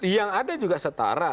yang ada juga setara